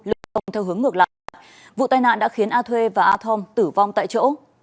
lưu thông theo hướng ngược lại vụ tai nạn đã khiến a thuê và a thom tử vong tại chỗ